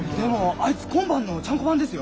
あいつ今晩のちゃんこ番ですよ。